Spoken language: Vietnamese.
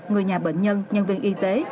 người nhà bệnh nhân nhân viên y tế